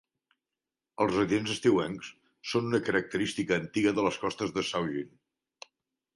Els residents estiuencs són una característica antiga de les costes de Saugeen.